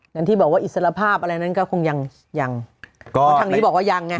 อย่างที่บอกว่าอิสระภาพอะไรนั้นก็คงยังยังก็ทางนี้บอกว่ายังไง